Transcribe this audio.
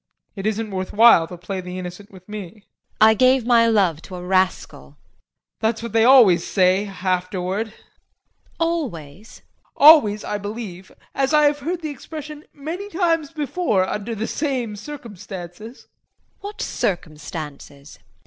It isn't worthwhile to play the innocent with me. JULIE. I gave my love to a rascal. JEAN. That's what they always say afterward. JULIE. Always? JEAN. Always, I believe, as I have heard the expression many times before under the same circumstances. JULIE. What circumstances?